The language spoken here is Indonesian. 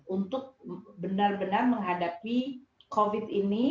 untuk benar benar menghadapi covid ini